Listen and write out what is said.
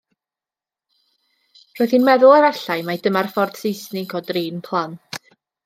Roedd hi'n meddwl efallai mae dyma'r ffordd Seisnig o drin plant.